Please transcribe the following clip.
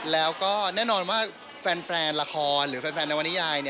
แล้วก็แน่นอนว่าแฟนละครหรือแฟนนวนิยาย